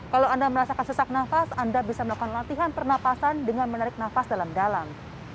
kalau anda merasakan sesak nafas anda bisa melakukan latihan pernapasan dengan menarik nafas dalam dalam